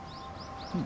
うん。